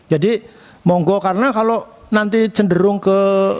jadi monggo karena kalau nanti cenderung ke